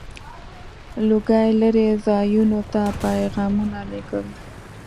• لوګی لرې ځایونو ته پيغامونه لیږل.